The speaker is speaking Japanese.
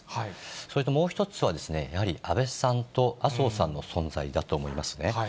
それともう１つは、やはり安倍さんと麻生さんの存在だと思いますね。